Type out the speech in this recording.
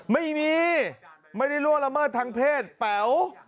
ไม่ได้ล่วงละเมิดทางเพศแป๋ว